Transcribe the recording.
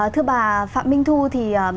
thưa bà phạm minh thu thì